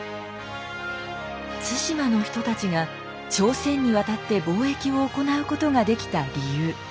対馬の人たちが朝鮮に渡って貿易を行うことができた理由。